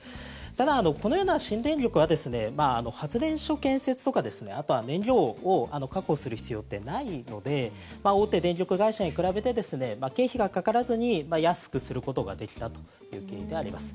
ただ、このような新電力は発電所建設とかあとは燃料を確保する必要ってないので大手電力会社に比べて経費がかからずに安くすることができたという経緯であります。